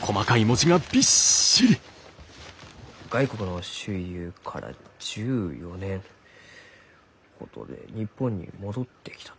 外国の周遊から１４年日本に戻ってきたと。